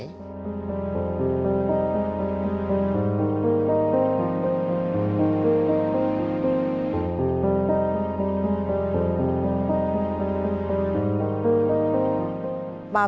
ไปการล้อมค่ามะ